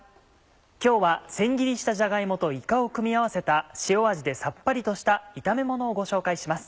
今日はせん切りしたじゃが芋といかを組み合わせた塩味でさっぱりとした炒めものをご紹介します。